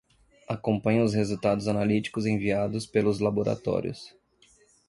Acompanha os resultados analíticos enviados pelos laboratórios.